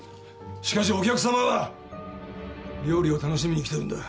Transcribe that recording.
しかしお客さまは料理を楽しみに来てるんだ